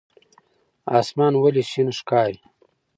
اسمان ولې شین ښکاري؟